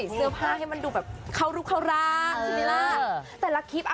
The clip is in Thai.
เสื้อผ้าให้มันดูแบบเขารุฆาบาทจริงไหมละแต่ละคลิปอะ